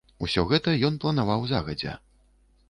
Усё гэта ён планаваў загадзя.